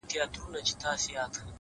اې لکه ته- يو داسې بله هم سته-